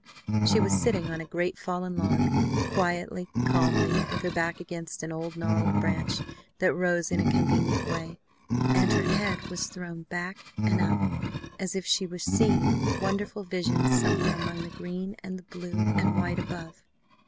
She was sitting on a great fallen log, quietly, calmly, with her back against an old gnarled branch that rose in a convenient way, and her head was thrown back and up as if she were seeing wonderful visions somewhere among the green, and the blue and white above.